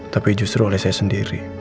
tapi justru oleh saya sendiri